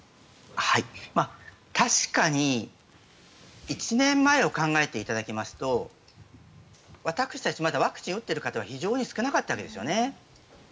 確かに１年前を考えていただきますと私たちまだワクチンを打っている方は非常に少なかったですよね。